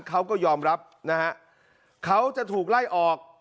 เขาก็ยอมรับนะฮะเขาจะถูกไล่ออก